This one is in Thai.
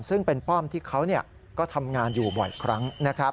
ซึ่งเป็นป้อมที่เขาก็ทำงานอยู่บ่อยครั้งนะครับ